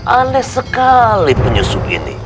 aneh sekali penyusup ini